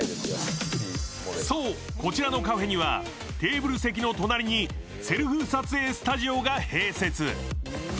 そう、こちらのカフェにはテーブル席の隣にセルフ撮影スタジオが併設。